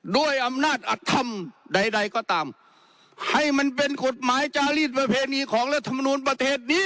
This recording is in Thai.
ด้วยอำนาจอัตธรรมใดใดก็ตามให้มันเป็นกฎหมายจารีดประเพณีของรัฐมนูลประเทศนี้